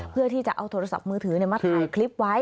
เพื่อที่จะเอาโทรศัพท์มือถือมาถ่ายคลิปไว้